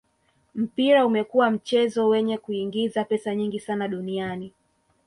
mpira umekua mchezo wenye kuingiza pesa nyingi sana duniani